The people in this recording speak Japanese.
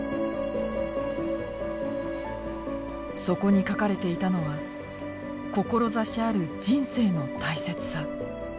そこに書かれていたのは志ある「人生」の大切さ。